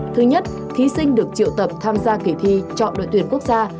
thứ nhất thí sinh được triệu tập tham gia kỳ thi chọn đội tuyển quốc gia